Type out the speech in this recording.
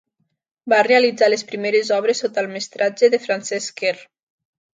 Va realitzar les primeres obres sota el mestratge de Francesc Quer.